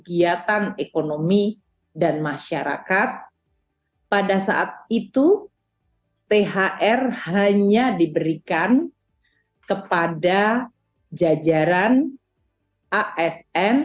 kegiatan ekonomi dan masyarakat pada saat itu thr hanya diberikan kepada jajaran asn